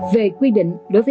về quy định đối với f một